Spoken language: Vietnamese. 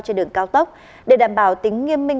trên đường cao tốc để đảm bảo tính nghiêm minh